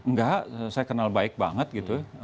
enggak saya kenal baik banget gitu